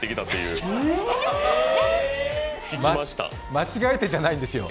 間違えてじゃないんですよ。